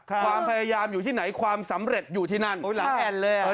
ความพยายามอยู่ที่ไหนความสำเร็จอยู่ที่นั่นโอ้ยหลายแอ่นเลยอ่ะ